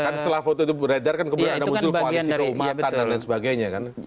kan setelah foto itu beredar kan kemudian ada muncul koalisi keumatan dan lain sebagainya kan